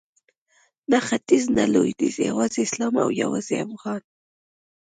نه ختیځ نه لویدیځ یوازې اسلام او یوازې افغان